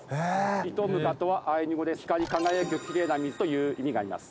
イトムカとはアイヌ語で「光り輝くきれいな水」という意味があります。